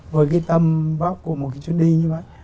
với cái tâm báo của một chuyến đi như vậy